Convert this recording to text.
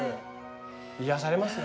癒やされますね